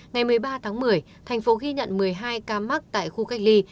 ngày một mươi ba tháng một mươi thành phố ghi nhận một mươi hai ca mắc tại khu cách ly